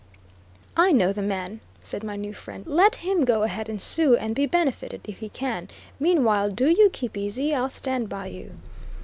"I know the man," said my new friend; "let him go ahead and sue and be benefited, if he can; meanwhile, do you keep easy; I'll stand by you."